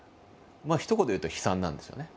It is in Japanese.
ひと言で言うと悲惨なんですよね。